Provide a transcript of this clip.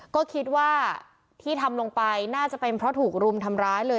ก็คิดว่าที่ทำลงไปน่าจะเป็นเพราะถูกรุมทำร้ายเลย